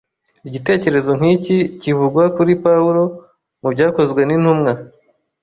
Igitekerezo nk'iki kivugwa kuri Pawulo mu Byakozwenintumwa